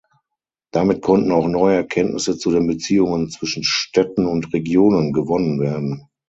Damit konnten auch neue Erkenntnisse zu den Beziehungen zwischen Städten und Regionen gewonnen werden.